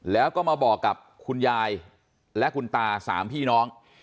แล้วก็มาบอกกับคุณยายและคุณตาสามพี่น้อง